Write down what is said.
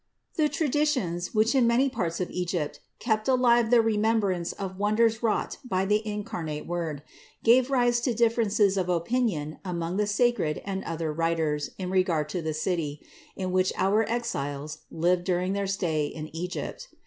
653. The traditions, which in many parts of Egypt kept alive the remembrance of wonders wrought by the incarnate Word, gave rise to differences of opinion among the sacred and other writers in regard to the city, in which our Exiles lived during their stay in Egypt.